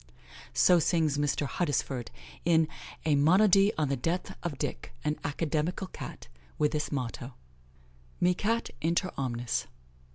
So sings Mr. Huddesford, in a "Monody on the death of Dick, an Academical Cat," with this motto: "Mi Cat inter omnes."